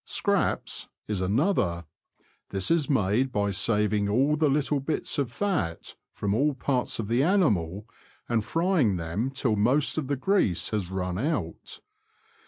'' Scraps " is another ; this is made by saving all the little bits of fat, from all parts of the animal, and frying them till most of the grease has run out.